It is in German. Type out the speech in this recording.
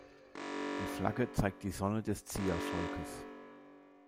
Die Flagge zeigt die Sonne des Zia-Volkes.